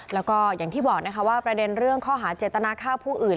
แล้วก็อย่างที่บอกนะคะว่าประเด็นเรื่องข้อหาเจตนาฆ่าผู้อื่น